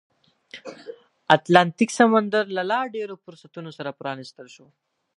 اتلانتیک سمندر له لا ډېرو فرصتونو سره پرانیستل شو.